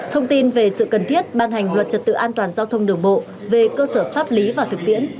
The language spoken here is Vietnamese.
thông tin về sự cần thiết ban hành luật trật tự an toàn giao thông đường bộ về cơ sở pháp lý và thực tiễn